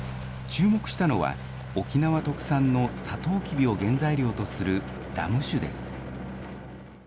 注目したのは、沖縄特産のサトウキビを原材料とするラム酒です。